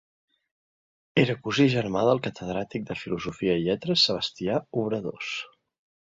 Era cosí germà del catedràtic de filosofia i lletres, Sebastià Obradors.